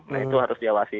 nah itu harus diawasi